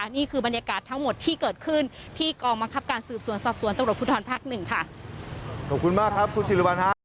นี่คือบรรยากาศทั้งหมดที่เกิดขึ้นที่กองมังคับการสืบสวนสอบสวนตำรวจภูทรภักดิ์๑